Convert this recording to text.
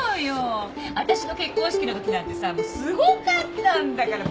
私の結婚式のときなんてさもうすごかったんだから。